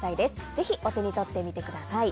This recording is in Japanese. ぜひ、お手に取ってみてください。